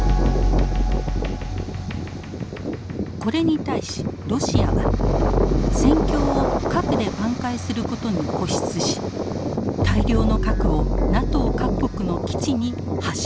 これに対しロシアは戦況を核で挽回することに固執し大量の核をＮＡＴＯ各国の基地に発射。